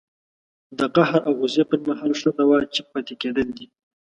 د قهر او غوسې پر مهال ښه دوا چپ پاتې کېدل دي